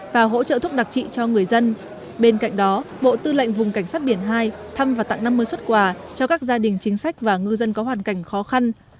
và hỗ trợ thuốc đặc trị cho người dân bên cạnh đó bộ tư lệnh vùng cảnh sát biển hai thăm và tặng năm mươi xuất quà cho các gia đình chính sách và ngư dân có hoàn cảnh khó khăn